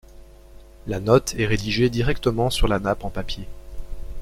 La note est rédigée directement sur la nappe en papier.